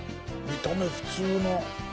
「見た目普通の」